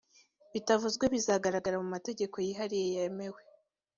bitavuzwe bizagaragara mu mategeko yihariye yemewe